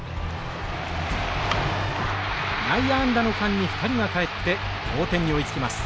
内野安打の間に２人が帰って同点に追いつきます。